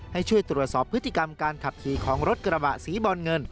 ให้ช่วยตรวจสอบพฤติกรรมการขับขี่ของรถกระบะสีบอลเงิน